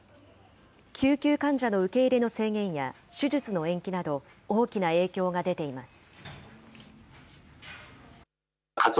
救急患者の受け入れの制限や、手術の延期など、大きな影響が出ています。